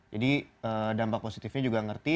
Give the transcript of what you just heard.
jadi dampak positifnya juga ngerti